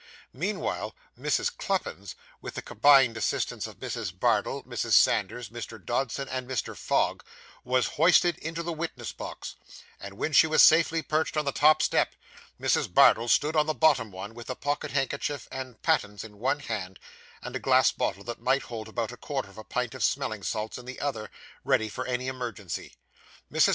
Meanwhile Mrs. Cluppins, with the combined assistance of Mrs. Bardell, Mrs. Sanders, Mr. Dodson, and Mr. Fogg, was hoisted into the witness box; and when she was safely perched on the top step, Mrs. Bardell stood on the bottom one, with the pocket handkerchief and pattens in one hand, and a glass bottle that might hold about a quarter of a pint of smelling salts in the other, ready for any emergency. Mrs.